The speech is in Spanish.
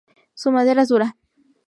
Su madera es dura.